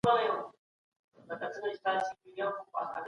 توند روي د جهالت نښه ده.